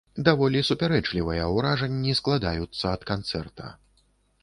Даволі супярэчлівыя ўражанні складаюцца ад канцэрта.